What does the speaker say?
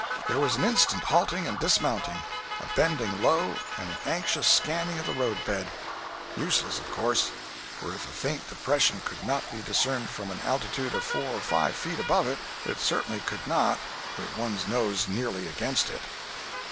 There was an instant halting and dismounting, a bending low and an anxious scanning of the road bed. Useless, of course; for if a faint depression could not be discerned from an altitude of four or five feet above it, it certainly could not with one's nose nearly against it.